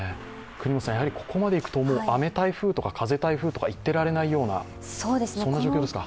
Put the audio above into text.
ここまでいくと、雨台風とか風台風とか言っていられない状況ですか。